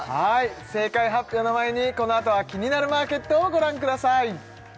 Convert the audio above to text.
正解発表の前にこのあとは「キニナルマーケット」をご覧ください